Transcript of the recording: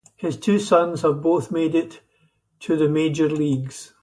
His two sons have both made it to the major leagues.